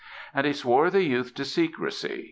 And he swore the youth to secrecy.